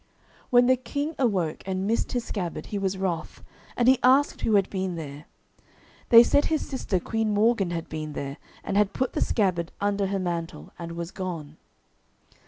When the King a woke and missed his scabbard, he was wroth, and he asked who had been there. They said his sister Queen Morgan had been there, and had put the scabbard under her mantle, and was gone.